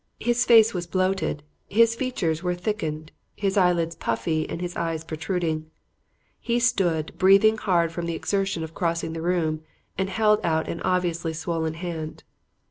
His face was bloated, his features were thickened, his eyelids puffy and his eyes protruding. He stood, breathing hard from the exertion of crossing the room and held out an obviously swollen hand.